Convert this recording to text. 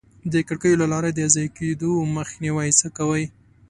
د کړکیو له لارې د ضایع کېدو مخنیوی څه کوئ؟